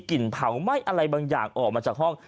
่นเผาไหม้อะไรบางอย่างออกมาจากห้อง